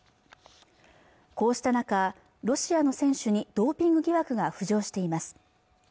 こうした中、ロシアの選手にドーピング疑惑が浮上しています